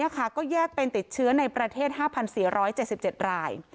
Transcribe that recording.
ก็แยกเป็นติดเชื้อในประเทศ๕๔๗๗ราย